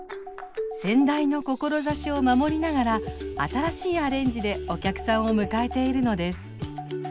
先代の志を守りながら新しいアレンジでお客さんを迎えているのです。